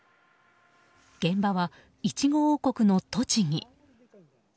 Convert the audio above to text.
現場は、イチゴ王国の栃木。